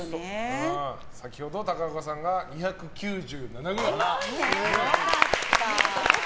先ほどの高岡さんは２９７ｇでした。